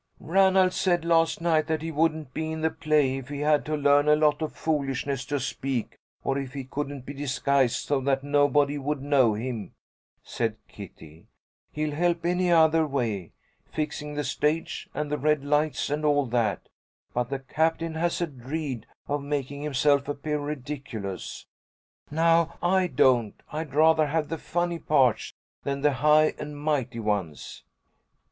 "Ranald said last night that he wouldn't be in the play if he had to learn a lot of foolishness to speak, or if he couldn't be disguised so that nobody would know him," said Kitty. "He'll help any other way, fixing the stage and the red lights and all that, but the Captain has a dread of making himself appear ridiculous. Now I don't. I'd rather have the funny parts than the high and mighty ones."